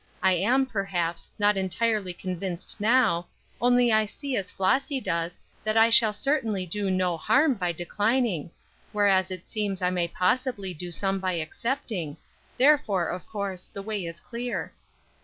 I am, perhaps, not entirely convinced now, only I see as Flossy does, that I shall certainly do no harm by declining; whereas it seems I may possibly do some by accepting; therefore, of course, the way is clear."